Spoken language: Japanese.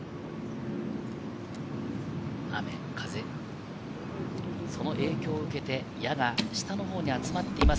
雨、風、その影響を受けて、矢が下のほうに集まっています。